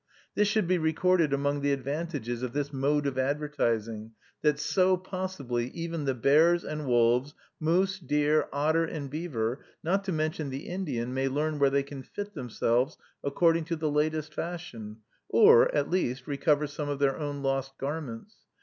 This should be recorded among the advantages of this mode of advertising, that so, possibly, even the bears and wolves, moose, deer, otter, and beaver, not to mention the Indian, may learn where they can fit themselves according to the latest fashion, or, at least, recover some of their own lost garments.